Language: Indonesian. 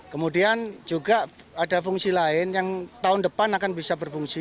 kemudian juga ada fungsi lain yang tahun depan akan bisa berfungsi